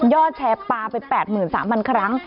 อดแชร์ปลาไป๘๓๐๐ครั้ง